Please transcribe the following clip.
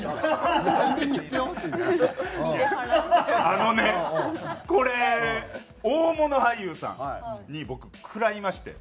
あのねこれ大物俳優さんに僕食らいまして。